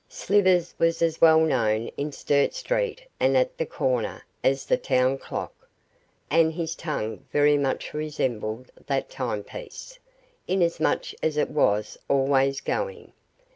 Slivers was as well known in Sturt Street and at 'The Corner' as the town clock, and his tongue very much resembled that timepiece, inasmuch as it was always going.